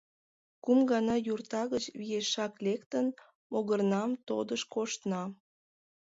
Кум гана юрта гыч виешак лектын, могырнам тодышт коштна.